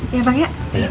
iya bang ya